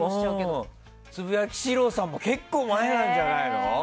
つぶやきシローさんも結構前なんじゃない？